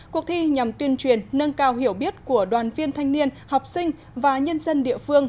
cuộc thi nhằm tuyên truyền nâng cao hiểu biết của đoàn viên thanh niên học sinh và nhân dân địa phương